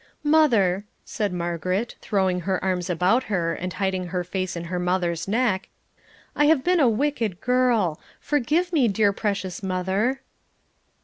"Mother," said Margaret, throwing her arms about her, and hiding her face in her mother's neck, "I have been a wicked girl. Forgive me, dear precious mother."